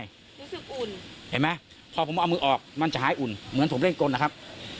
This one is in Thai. รู้สึกอุ่นเห็นไหมพอผมเอามือออกมันจะหายอุ่นเหมือนผมเล่นกลนะครับ